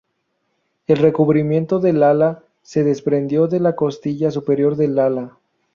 El recubrimiento del ala se desprendió de la costilla superior del ala.